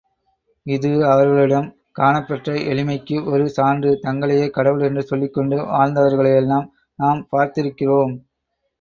இது அவர்களிடம் காணப்பெற்ற எளிமைக்கு ஒரு சான்று தங்களையே கடவுள் என்று சொல்லிக் கொண்டு வாழ்ந்தவர்களையெல்லாம் நாம் பாத்திருக்கிறோம்.